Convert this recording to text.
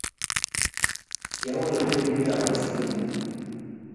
Kyawal brekinikab baskilinyuu